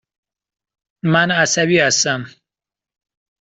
من عصبی هستم.